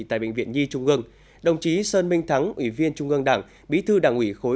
tại bệnh viện nhi trung ương đồng chí sơn minh thắng ủy viên trung ương đảng bí thư đảng ủy khối